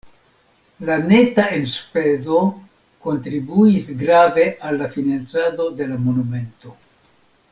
La neta enspezo kontribuis grave al la financado de la monumento.